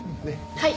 はい！